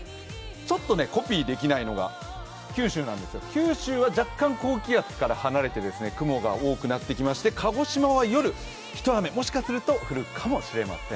ちょっとコピーできないのが九州なんですけど九州は若干、高気圧から離れて雲が多くなってきて、鹿児島は夜、一雨もしかしたら降るかもしれません。